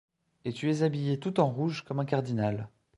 Et tu es habillé tout en rouge comme un cardinal.